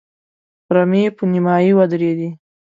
رمې په نيمايي ودرېدې.